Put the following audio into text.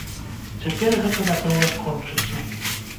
Цяпер гэта, напэўна, скончыцца.